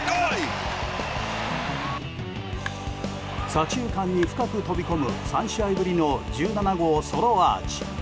左中間に深く飛び込む３試合ぶりの１７号ソロアーチ。